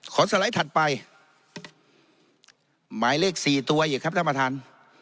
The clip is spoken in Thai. สไลด์ถัดไปหมายเลขสี่ตัวอีกครับท่านประธาน